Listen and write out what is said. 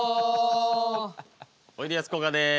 おいでやすこがです。